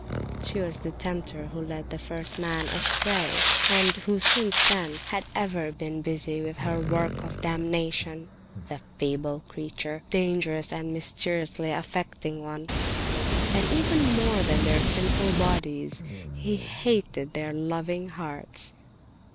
She was the tempter who led the first man astray, and who since then had ever been busy with her work of damnation, the feeble creature, dangerous and mysteriously affecting one. And even more than their sinful bodies, he hated their loving hearts.